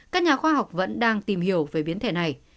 các nhà khoa học vẫn đang tìm hiểu về biến thể này